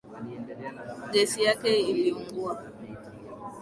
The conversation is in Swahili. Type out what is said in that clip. Gesi yake iliungua